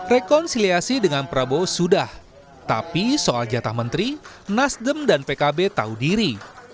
rekonsiliasi dengan prabowo sudah tapi soal jatah menteri nasdem dan pkb tahu diri